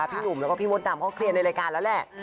พี่หนุ่มแล้วก็พี่มดดำเขาเคลียร์ในรายการแล้วแหละ